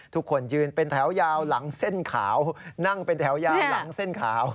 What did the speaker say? ทุกคนยืนเป็นแถวยาวหลังเส้นขาวนั่งเป็นแถวยาวหลังเส้นขาว